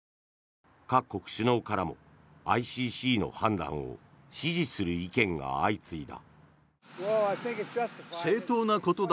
各国首脳からもＩＣＣの判断を支持する意見が相次いだ。